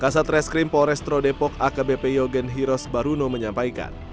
kasat reskrim polres trodepok akbp yogen hiros baruno menyampaikan